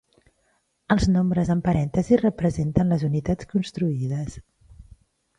Els nombres en parèntesis representen les unitats construïdes.